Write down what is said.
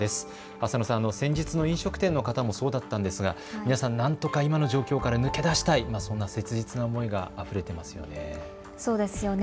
浅野さん、先日の飲食店の方もそうだったんですが皆さんなんとか今の状況から抜け出したい、そんな切実な思いがあふれていますよね。